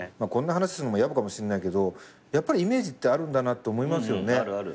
こんな話するのもやぼかもしんないけどやっぱりイメージってあるんだなって思いますよね。